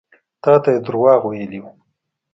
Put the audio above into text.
تا ته يې دروغ ويلي وو.